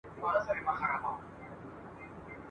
چي دي تود سترخوان هوار وي کور دي ډک وي له دوستانو ..